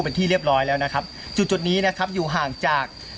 เป็นที่เรียบร้อยแล้วนะครับจุดจุดนี้นะครับอยู่ห่างจาก